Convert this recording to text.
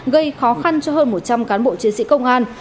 gây khó khăn cho hơn một trăm linh cán bộ chiến sĩ công an